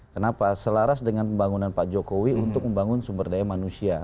kenapa selaras dengan pembangunan pak jokowi untuk membangun sumber daya manusia